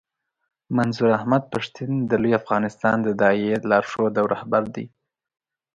منظور احمد پښتين د لوی افغانستان د داعیې لارښود او رهبر دی.